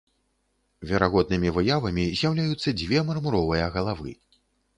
Верагоднымі выявамі з'яўляюцца дзве мармуровыя галавы.